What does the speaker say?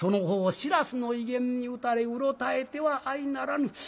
白州の威厳に打たれうろたえてはあいならぬ。